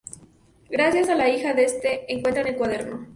Gracias a la hija de este encuentran el cuaderno.